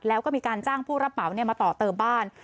แล้วก็มีการจ้างผู้รับเหมามาต่อเติมบ้าน